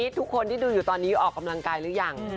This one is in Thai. ทุกคนที่ดูอยู่ตอนนี้ออกกำลังกายหรือยัง